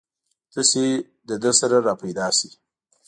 تاسې له ده سره راپیدا شئ.